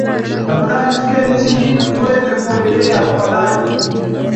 Wale ambao wana nia ya sanaa au historia